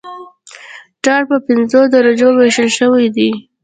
ټار په پنځو درجو ویشل شوی دی